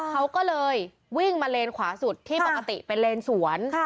เขาก็เลยวิ่งมาเลนขวาสุดที่ปกติเป็นเลนสวน